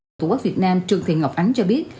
tổ quốc việt nam trường thị ngọc ánh cho biết